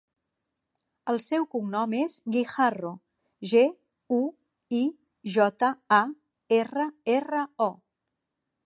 El seu cognom és Guijarro: ge, u, i, jota, a, erra, erra, o.